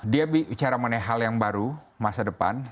dia bicara mengenai hal yang baru masa depan